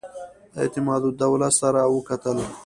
اعتمادالدوله سره وکتل.